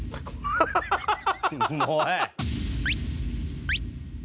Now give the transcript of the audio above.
ハハハハハ！